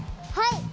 はい！